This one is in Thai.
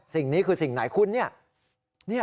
สิ่งนี้คือสิ่งไหนคุณเนี่ย